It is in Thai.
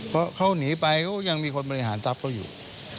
เพราะเขาหนีไปเขายังมีคนบริหารทรัพย์เขาอยู่